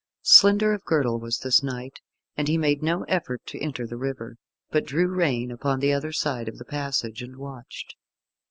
Slender of girdle was this knight, and he made no effort to enter the river, but drew rein upon the other side of the passage, and watched.